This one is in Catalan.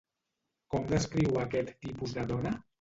Com descriu a aquest tipus de dona?